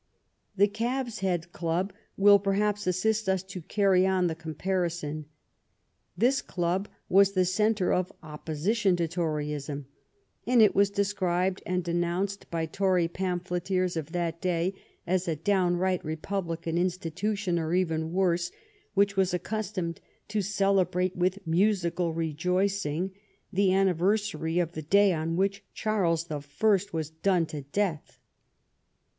The Calves' Head Club will, perhaps, assist us to carry on the comparison. This club was the centre of opposi tion to Toryism, and it was described and denounced by Tory pamphleteers of that day as a downright republican institution, or even worse, which was ac customed to celebrate with musical rejoicing the anni versary of the day on which Charles the First was done to death.